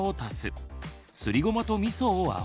すりごまとみそを合わせる。